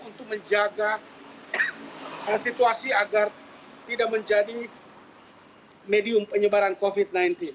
untuk menjaga situasi agar tidak menjadi medium penyebaran covid sembilan belas